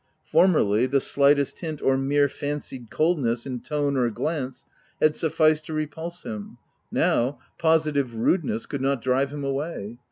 Formerly, the slightest hint, or mere fancied coldness in tone or glance, had sufficed to repulse him : now, positive rudeness could not drive him away.